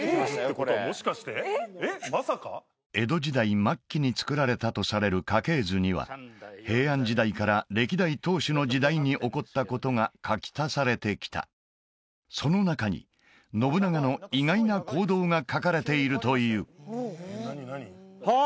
これ江戸時代末期に作られたとされる家系図には平安時代から歴代当主の時代に起こったことが書き足されてきたその中に信長の意外な行動が書かれているというあっ！